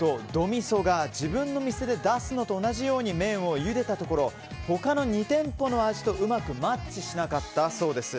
みそが自分の店で出すのと同じように麺をゆでたところ他の２店舗の味とうまくマッチしなかったそうです。